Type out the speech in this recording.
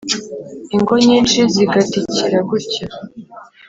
Ingo nyinshi zigatikira gutyo